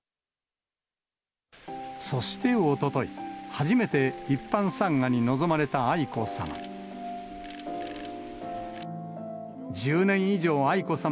そしておととい、初めて一般参賀に臨まれた愛子さま。